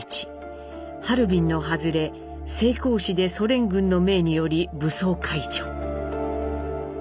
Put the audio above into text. ハルビンの外れ成高子でソ連軍の命により武装解除」。